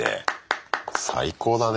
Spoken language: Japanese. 最高だね。